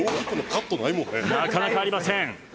「なかなかありません。